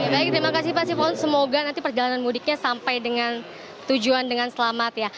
baik terima kasih pak sifon semoga nanti perjalanan mudiknya sampai dengan tujuan dengan selamat ya